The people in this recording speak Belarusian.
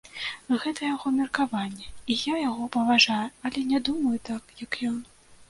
Гэта яго меркаванне і я яго паважаю, але не думаю так, як ён.